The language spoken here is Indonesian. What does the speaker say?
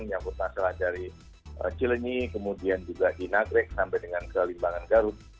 nyangkut masalah dari cilenyi kemudian juga di nagrek sampai dengan ke limbangan garut